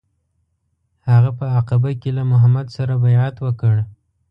هغه په عقبه کې له محمد سره بیعت وکړ.